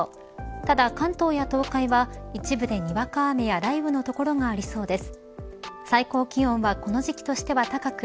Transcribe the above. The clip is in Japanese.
ただ、関東や東海は一部でにわか雨や雷雨の所がありそうです。